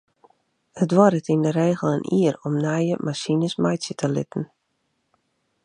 It duorret yn de regel in jier om nije masines meitsje te litten.